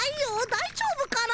だいじょうぶかな。